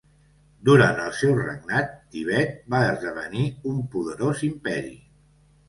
Durant el seu regnat, Tibet va esdevenir un poderós imperi.